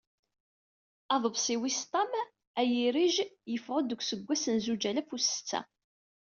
Aḍebsi wis ṭam "A irij", yeffeɣ-d deg useggas n zuǧ alaf u setta.